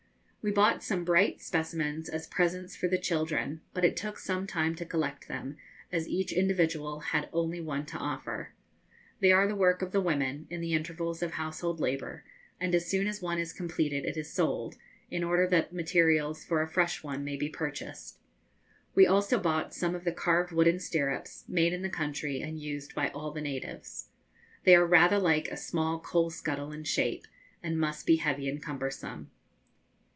We bought some bright specimens as presents for the children, but it took some time to collect them, as each individual had only one to offer. They are the work of the women, in the intervals of household labour, and as soon as one is completed it is sold, in order that materials for a fresh one may be purchased. We also bought some of the carved wooden stirrups, made in the country, and used by all the natives. They are rather like a small coalscuttle in shape, and must be heavy and cumbersome.